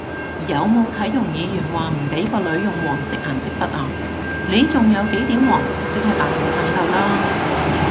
有冇睇容議員話唔畀個女用黃色顏色筆啊？你仲有幾點黃即係扮嘢滲透啦！？